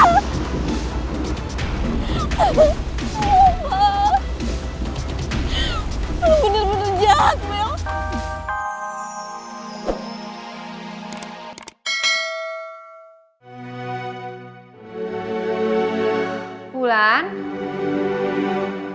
lo bener bener jahat mel